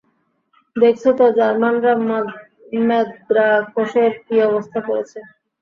দেখেছ তো জার্মানরা ম্যান্দ্রাকোসের কী অবস্থা করেছে।